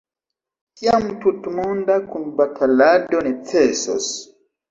Tiam tutmonda kunbatalado necesos.